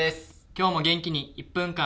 今日も元気に「１分間！